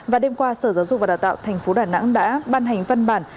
và đêm qua sở giáo dục và đào tạo tp đà nẵng đã ban hành văn bản